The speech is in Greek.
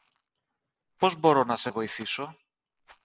Πώς μπορώ να σε βοηθήσω;